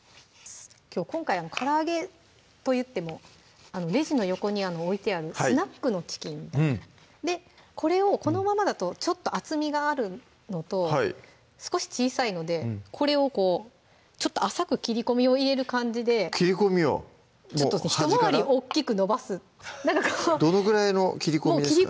きょう今回からあげといってもレジの横に置いてあるスナックのチキンみたいなこれをこのままだとちょっと厚みがあるのと少し小さいのでこれをこうちょっと浅く切り込みを入れる感じで切り込みをちょっとひと回り大っきく伸ばすどのぐらいの切り込みですか？